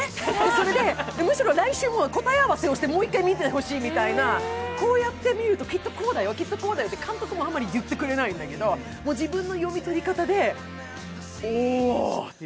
それで、むしろ来週、答え合わせをしてもう１回見てみたいなこうやって見るときっとこうだよって、監督もあんまり言ってくれないんだけれども自分の読み取り方で、おっと。